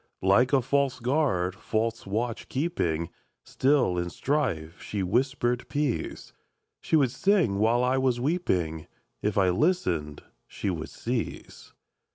Like a false guard, false watch keeping, Still, in strife, she whispered peace; She would sing while I was weeping; If I listened, she would cease.